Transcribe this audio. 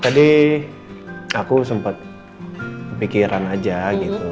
tadi aku sempet pikiran aja gitu